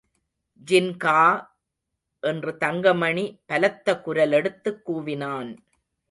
ஜின்கா! என்று தங்கமணி பலத்த குரலெடுத்துக் கூவினான்.